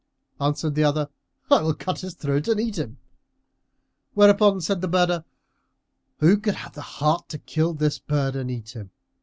Answered the other, "I will cut his throat and eat him;" whereupon said the birder, "Who could have the heart to kill this bird and eat him?